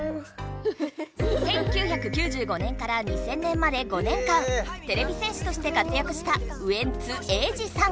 １９９５年から２０００年まで５年間てれび戦士として活やくしたウエンツ瑛士さん。